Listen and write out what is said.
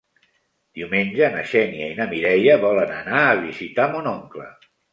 Diumenge na Xènia i na Mireia volen anar a visitar mon oncle.